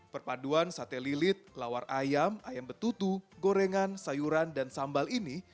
perpaduan sate lilit lawar ayam ayam betutu gorengan sayuran dan sambal ini